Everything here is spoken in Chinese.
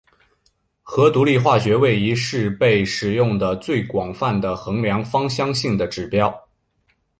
核独立化学位移是被使用得最广泛的衡量芳香性的指标。